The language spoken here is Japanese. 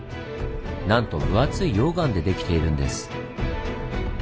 なんと分厚い溶岩でできているんです。